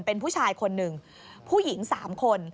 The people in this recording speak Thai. เป็นผู้ชายคนหนึ่งผู้หญิง๓คน